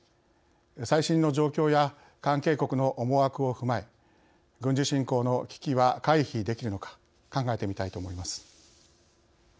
最新の状況や関係国の思惑を踏まえ軍事侵攻の危機は回避できるのか考えてみたいと思います。